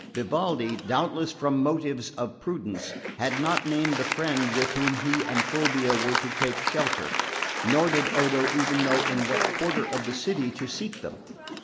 Vivaldi, doubtless from motives of prudence, had not named the friend with whom he and Fulvia were to take shelter; nor did Odo even know in what quarter of the city to seek them.